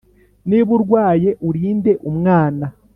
niba urwaye urinde umwana